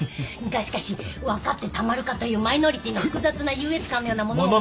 がしかし「分かってたまるか」というマイノリティーの複雑な優越感のようなものも。